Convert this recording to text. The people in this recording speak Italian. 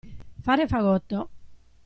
Fare fagotto.